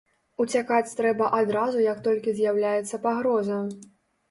Уцякаць трэба адразу як толькі з'яўляецца пагроза.